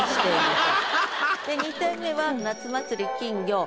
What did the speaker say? で２点目は「夏祭り」「金魚」